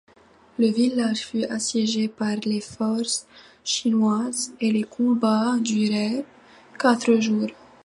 Le village fut assiégé par les forces chinoises et les combats durèrent quatre jours.